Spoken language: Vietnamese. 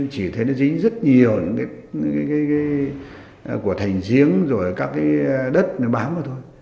chỉ thấy nó dính rất nhiều những cái của thành giếng rồi các cái đất bám vào thôi